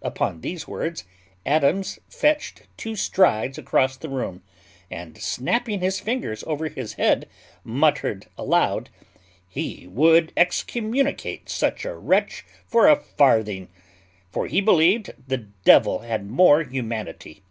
Upon these words, Adams fetched two strides across the room; and snapping his fingers over his head, muttered aloud, He would excommunicate such a wretch for a farthing, for he believed the devil had more humanity.